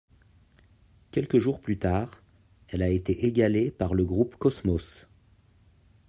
Quelques jours plus tard, elle a été égalée par le Groupe Cosmos.